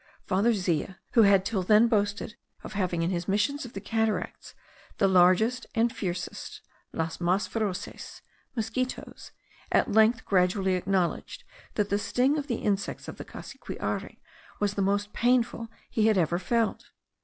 Father Zea, who had till then boasted of having in his missions of the cataracts the largest and fiercest (las mas feroces) mosquitos, at length gradually acknowledged that the sting of the insects of the Cassiquiare was the most painful he had ever felt.